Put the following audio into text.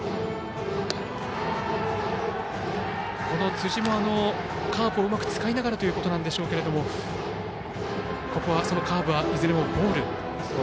この辻もカーブをうまく使いながらということなんでしょうけれどもここは、そのカーブはいずれもボール。